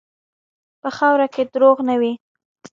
په خاوره کې دروغ نه وي.